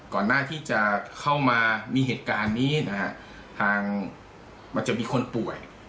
ก่อนหน้าที่จะเข้ามามีเหตุการณ์นี้นะฮะทางมันจะมีคนป่วย